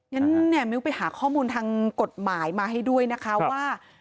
งั้นเนี่ยมิ้วไปหาข้อมูลทางกฎหมายมาให้ด้วยนะคะว่า